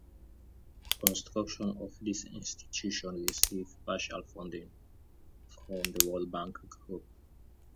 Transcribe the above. Construction of this institution received partial funding from the World Bank Group.